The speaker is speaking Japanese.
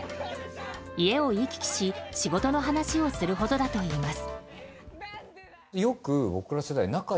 家を行き来し仕事の話をするほどだといいます。